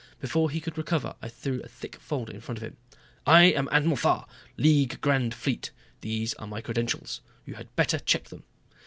Before he could recover I threw a thick folder in front of him. "I am Admiral Thar, League Grand Fleet. These are my credentials. You had better check them."